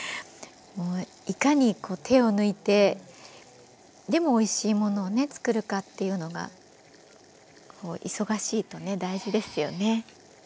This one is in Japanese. もういかに手を抜いてでもおいしいものをね作るかっていうのが忙しいとね大事ですよね。